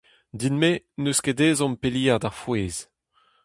Din-me, n'eus ket ezhomm peliat ar frouezh.